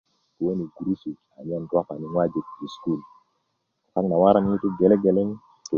puöni gurusu anyen ropani ŋojik i sukulu kak waran ŋutu gele geleŋ